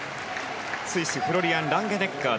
スイスフロリアン・ランゲネッガー。